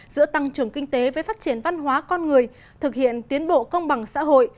giữa tăng trưởng kinh tế với phát triển văn hóa con người thực hiện tiến bộ công bằng xã hội